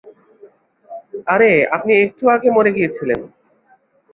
- আরে আপনি একটু আগে মরে গিয়েছিলেন।